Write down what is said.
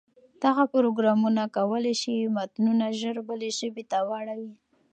دغه پروګرامونه کولای شي متنونه ژر بلې ژبې ته واړوي.